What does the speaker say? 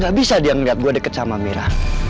gak bisa dia liat gue deket sama amira